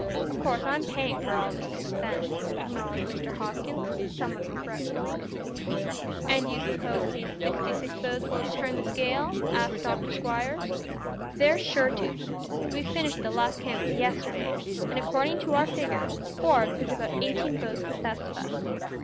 Of course I'm paying for all this expense," acknowledged Mr. Hopkins, somewhat regretfully. "And do you suppose these sixty six votes will turn the scale?" asked Dr. Squiers. "They're sure to. We finished the last canvass yesterday, and according to our figures Forbes has about eighteen votes the best of us.